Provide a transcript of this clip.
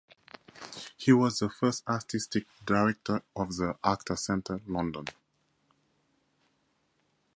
He was the first Artistic Director of The Actors Centre, London.